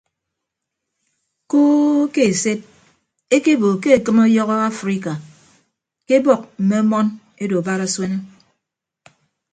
Koo ke esed ekebo ke ekịm ọyọhọ afrika ke ebọk mme ọmọn edo barasuen.